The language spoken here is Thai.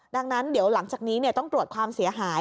ดังนั้นเดี๋ยวหลังจากนี้ต้องตรวจความเสียหาย